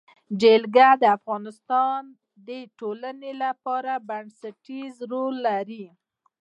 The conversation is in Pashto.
جلګه د افغانستان د ټولنې لپاره بنسټيز رول لري.